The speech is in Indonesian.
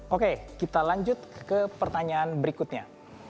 oke kita lanjut ke pertanyaan berikutnya